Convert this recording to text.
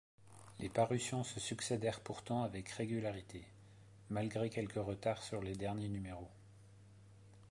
Les parutions se succédèrent pourtant avec régularité, malgré quelques retards sur les derniers numéros.